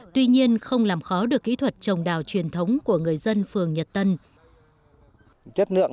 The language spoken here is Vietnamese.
tuy nhiên không làm khó được kỹ thuật trồng đào truyền thống của người dân phường nhật tân